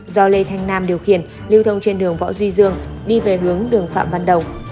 do lê thanh nam điều khiển lưu thông trên đường võ duy dương đi về hướng đường phạm văn đồng